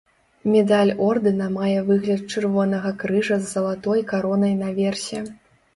Медаль ордэна мае выгляд чырвонага крыжа з залатой каронай наверсе.